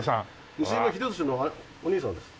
西島秀俊のお兄さんです。